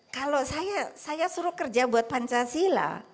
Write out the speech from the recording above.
kalau saya suruh kerja buat pancasila